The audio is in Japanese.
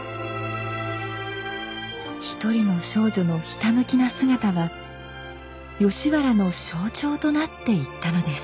一人の少女のひたむきな姿は吉原の象徴となっていったのです。